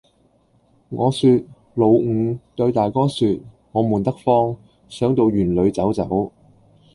我説「老五，對大哥説，我悶得慌，想到園裏走走。」